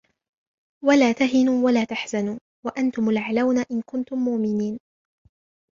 وَلَا تَهِنُوا وَلَا تَحْزَنُوا وَأَنْتُمُ الْأَعْلَوْنَ إِنْ كُنْتُمْ مُؤْمِنِينَ